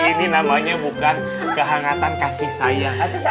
ini namanya bukan kehangatan kasih saya